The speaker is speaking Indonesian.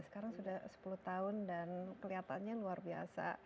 sekarang sudah sepuluh tahun dan kelihatannya luar biasa